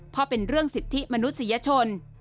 เพราะเป็นเรื่องสิทธิมนุษยชน